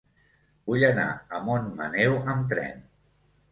Vull anar a Montmaneu amb tren.